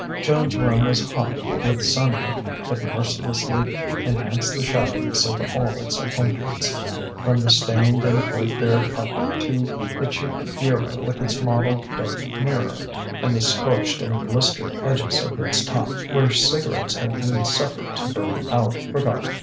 Joan's room was hot with sunlight that mercilessly enhanced the shabbiness of all its appointments, from the stained and threadbare carpet to the cheap bureau with its mottled, dark mirror, and the scorched and blistered edges of its top where cigarettes had been suffered to burn out, forgotten.